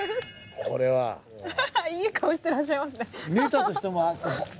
これは！いい顔してらっしゃいますね。